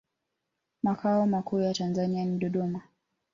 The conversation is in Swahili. makao makuu ya tanzania ni dodoma